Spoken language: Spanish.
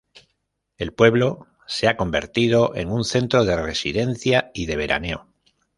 El pueblo se ha convertido en un centro de residencia y de veraneo.